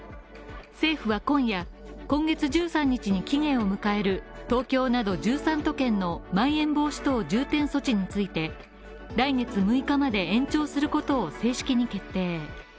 政府は今夜、今月１３日に期限を迎える東京など１３都県のまん延防止等重点措置について来月６日まで延長することを正式に決定。